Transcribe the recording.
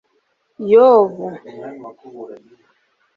yobu ,